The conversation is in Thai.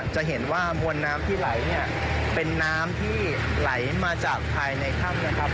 จะเห็นว่ามวลน้ำที่ไหลเป็นน้ำที่ไหลมาจากภายในค่ำ